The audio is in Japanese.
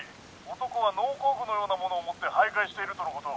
男は農耕具のようなものを持って徘徊しているとのこと。